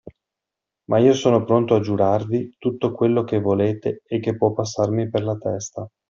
Ma io sono pronto a giurarvi tutto quello che volete e che può passarmi per la testa.